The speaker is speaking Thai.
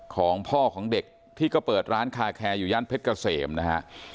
ของพ่อของเด็กที่ก็เปิดร้านคาแคร์อยู่ย่านเพชรเกษมนะฮะ